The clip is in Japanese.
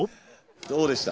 どうでした？